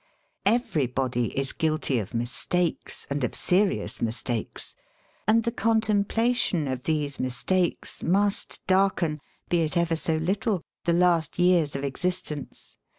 Every body is guilty of mistakes and of serious mistakes, and the contemplation of these mistakes must darken, be it ever so little, the last years of exist ence.